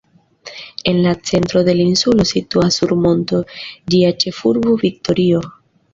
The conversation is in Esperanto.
En la centro de la insulo situas sur monto ĝia ĉefurbo Viktorio.